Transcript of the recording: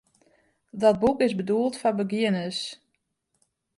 Dat boek is bedoeld foar begjinners.